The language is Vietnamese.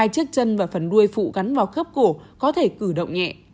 hai chiếc chân và phần đuôi phụ gắn vào khớp cổ có thể cử động nhẹ